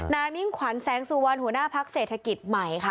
มิ่งขวัญแสงสุวรรณหัวหน้าพักเศรษฐกิจใหม่ค่ะ